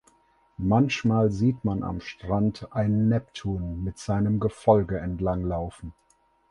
Manchmal sieht man am Strand einen Neptun mit seinem Gefolge entlang laufen.